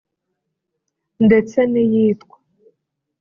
ndetse n’iyitwa